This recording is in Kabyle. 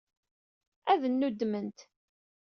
Ad nnuddment.